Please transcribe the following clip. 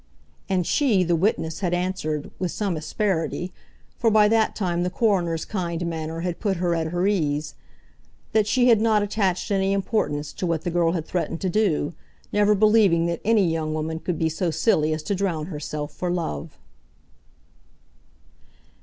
And she, the witness, had answered, with some asperity—for by that time the coroner's kind manner had put her at her ease—that she had not attached any importance to what the girl had threatened to do, never believing that any young woman could be so silly as to drown herself for love!